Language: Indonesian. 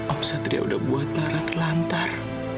om satria udah buat lara terlantar